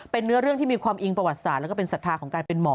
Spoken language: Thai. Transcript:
เป็นเนื้อเรื่องที่มีความอิงประวัติศาสตร์แล้วก็เป็นศรัทธาของการเป็นหมอ